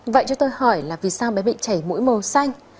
vậy cho tôi hỏi là vì sao bé bị chảy mũi màu xanh